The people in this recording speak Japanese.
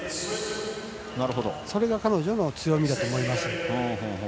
それが彼女の強みだと思います。